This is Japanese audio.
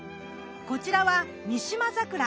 こちらは三島桜。